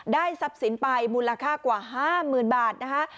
ทรัพย์สินไปมูลค่ากว่า๕๐๐๐บาทนะคะ